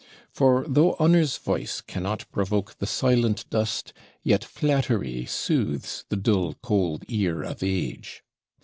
For though honour's voice cannot provoke the silent dust, yet "flattery soothes the dull cold ear of AGE."